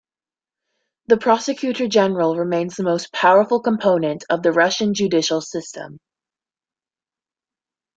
The Prosecutor General remains the most powerful component of the Russian judicial system.